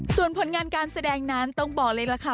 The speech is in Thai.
ส่วนผลงานการแสดงนั้นต้องบอกเลยล่ะค่ะ